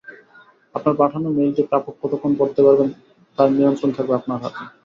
আপনার পাঠানো মেইলটি প্রাপক কতক্ষণ পড়তে পারবেন তার নিয়ন্ত্রণ থাকবে আপনার হাতে।